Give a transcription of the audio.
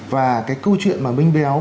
và cái câu chuyện mà minh béo